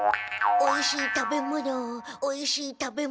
おいしい食べ物おいしい食べ物。